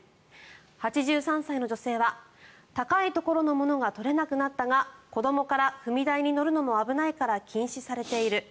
８３歳の女性は高いところの物が取れなくなったが子どもから踏み台に乗るのも危ないから禁止されている。